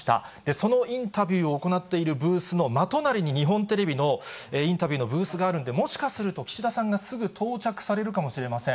そのインタビューを行っているブースの真隣に日本テレビのインタビューのブースがあるんで、もしかすると、岸田さんがすぐ到着されるかもしれません。